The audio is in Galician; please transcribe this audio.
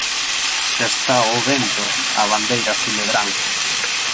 Xa está ó vento a bandeira azul e branca!